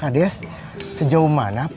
cilak cilak cilak